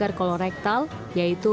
menambahkan obat penggantinya apa itu